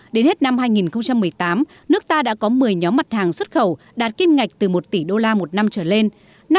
đến hết năm hai nghìn một mươi tám nước ta đã có một mươi nhóm mặt hàng xuất khẩu đạt kim ngạch từ một tỷ đô la một năm trở lên